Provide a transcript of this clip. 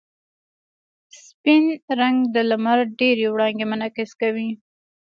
سپین رنګ د لمر ډېرې وړانګې منعکس کوي.